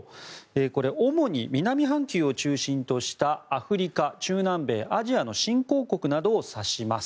これ、主に南半球を中心としたアフリカ、中南米、アジアの新興国などを指します。